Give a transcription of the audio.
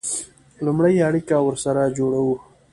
لومړی اړیکه ورسره جوړوو.